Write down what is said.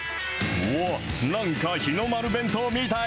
おお、なんか日の丸弁当みたい。